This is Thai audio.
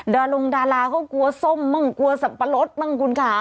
ดารงดาราก็กลัวส้มมังกลัวสับปะรดมังคุณคะ